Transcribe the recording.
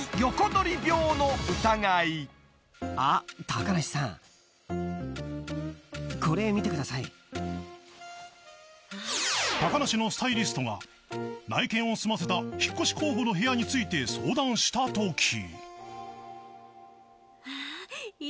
［高梨のスタイリストが内見を済ませた引っ越し候補の部屋について相談したとき］